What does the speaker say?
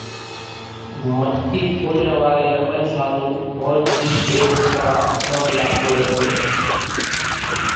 مٽڪي ڦوڙيا واري رمچ ۿارُو مور ٿي ٻي اُونسا ٿانڀلا کوڙي سي،